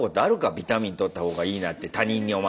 「ビタミンとった方がいい」なんて他人にお前。